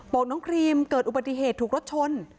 โบ๊กน้องครีมเกิดอุบัติเกตอุบัติเกตถูกรถชน